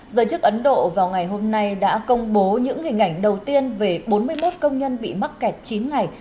giới chức ấn độ vào ngày hôm nay đã công bố những hình ảnh đầu tiên về bốn mươi một công nhân bị mắc kẹt chín ngày